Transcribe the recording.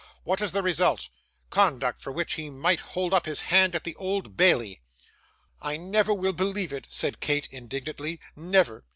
What is the result? Conduct for which he might hold up his hand at the Old Bailey.' 'I never will believe it,' said Kate, indignantly; 'never.